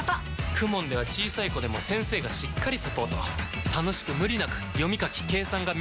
ＫＵＭＯＮ では小さい子でも先生がしっかりサポート楽しく無理なく読み書き計算が身につきます！